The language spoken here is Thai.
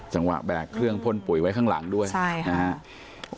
จังหวะแบบเครื่องพ่นปุ๋ยไว้ข้างหลังด้วยใช่ค่ะนะฮะ